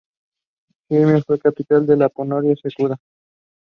Its deep yellow resembles that of the Venezuelan flag.